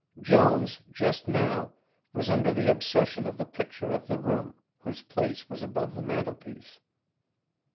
Jones, just now, was under the obsession of the picture of the room, whose place was above the mantelpiece.